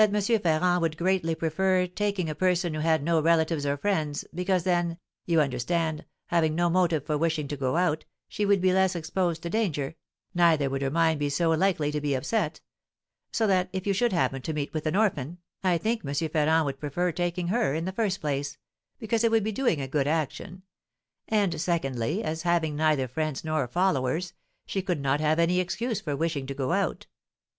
Ferrand would greatly prefer taking a person who had no relatives or friends, because then, you understand, having no motive for wishing to go out, she would be less exposed to danger, neither would her mind be so likely to be upset; so that, if you should happen to meet with an orphan, I think M. Ferrand would prefer taking her, in the first place, because it would be doing a good action; and, secondly, as, having neither friends nor followers, she could not have any excuse for wishing to go out.